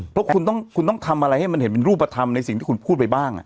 เพราะคุณต้องทำอะไรให้มันเห็นเป็นรูปธรรมในสิ่งที่คุณพูดไปบ้าง